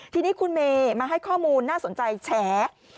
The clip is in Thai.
ทีนี้คุณเมย์มาให้ข้อมูลน่าสนใจแฉ